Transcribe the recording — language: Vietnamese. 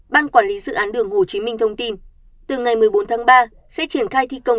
ban quản lý dự án đường hồ chí minh thông tin từ ngày một mươi bốn tháng ba sẽ triển khai thi công